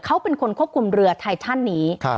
เขาเป็นคนควบคุมเรือไททันนี้